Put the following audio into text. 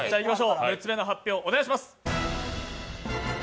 ３つ目の発表、お願いします。